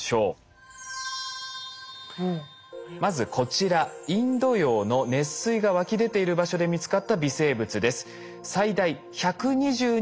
まずこちらインド洋の熱水が湧き出ている場所で見つかった微生物です。